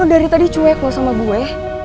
lo dari tadi cuek lo sama gue